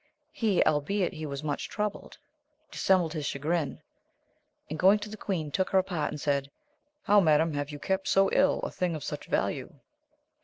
He, albeit he was much troubled, dis sembled his chagrin, and going to the queen took her apart and said, how. Madam, have you kept so ill a thing of such value?